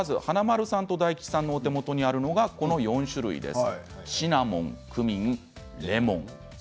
いとうさんと桐山さんのお手元にあるのがこちらの４種類です。